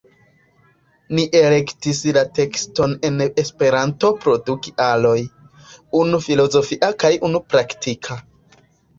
Ni elektis la tekston en Esperanto pro du kialoj, unu filozofia kaj unu praktika.